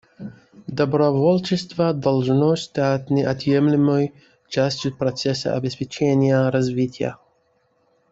Добровольчество должно стать неотъемлемой частью процесса обеспечения развития.